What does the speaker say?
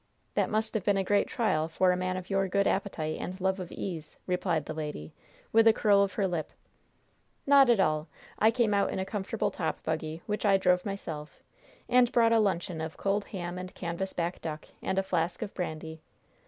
"That must have been a great trial for a man of your good appetite and love of ease," replied the lady, with a curl of her lip. "Not at all! I came out in a comfortable top buggy, which I drove myself, and brought a luncheon of cold ham and canvas back duck and a flask of brandy.